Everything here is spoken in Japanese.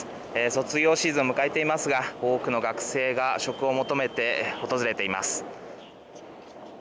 卒業シーズンを迎えていますが多くの学生が職を求めて訪れています。